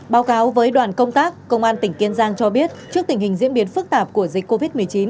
báo cáo với đoàn công tác công an tỉnh kiên giang cho biết trước tình hình diễn biến phức tạp của dịch covid một mươi chín